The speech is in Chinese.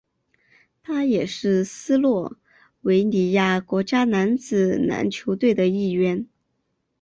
他也是斯洛维尼亚国家男子篮球队的一员。